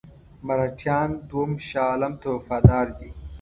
مرهټیان دوهم شاه عالم ته وفادار دي.